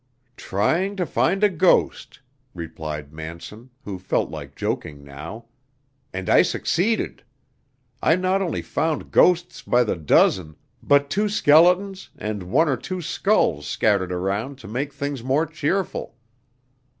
"Trying to find a ghost," replied Manson, who felt like joking now, "and I succeeded. I not only found ghosts by the dozen, but two skeletons, and one or two skulls scattered around to make things more cheerful.